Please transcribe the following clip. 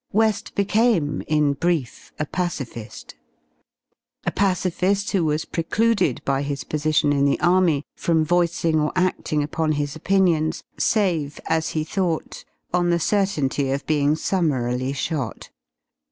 WeSi became, in brief y a pacifist — a pacifist who was precluded by his position in the Army from voicing or ading upon his opinions savCy as he thought y on the . certainty of being summarily shot.